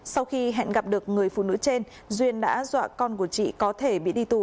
sau khi hẹn gặp được người phụ nữ trên duyên đã dọa con của chị có thể bị đi tù